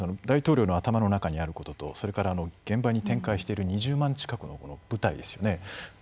大統領の頭の中にあることとそれから現場に展開している２０万近くの部隊ですよね。